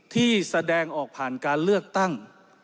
ที่แสดงออกผ่านการเลือกตั้ง